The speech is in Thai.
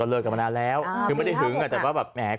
ตลอกกลับมานานแล้วคือไม่ได้ฝึ้งก็แต่ว่าแหม